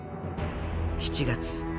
７月。